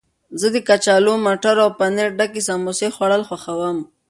زه د کچالو، مټرو او پنیر ډکې سموسې خوړل خوښوم.